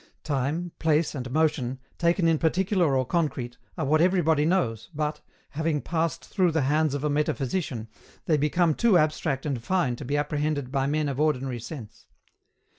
Time, place, and motion, taken in particular or concrete, are what everybody knows, but, having passed through the hands of a metaphysician, they become too abstract and fine to be apprehended by men of ordinary sense.